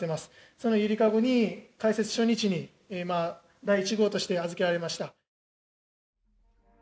そのゆりかごに開設初日に第１号として預けられました。